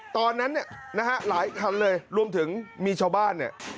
ตอนนั้นนะฮะหลายคันเลยรวมถึงมีชาวบ้าน